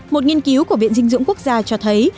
một nghiên cứu của viện dinh dưỡng quốc gia cho thấy